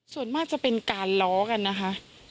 ส่วนมากจะเป็นการล้อกันนะคะ